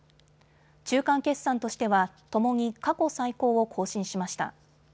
中間決算としてはともに過去最高を更新しました。